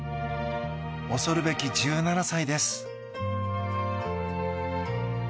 恐るべき１７歳です。